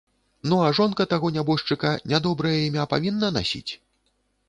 Ну, а жонка таго нябожчыка нядобрае імя павінна насіць?